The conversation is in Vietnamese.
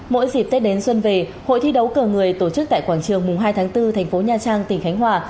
mỗi dịp tết đến xuân về hội thi đấu cờ người tổ chức tại quảng trường mùng hai tháng bốn thành phố nha trang tỉnh khánh hòa